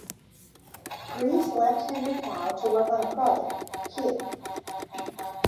Greaves left Henry Cow to work on a project, Kew.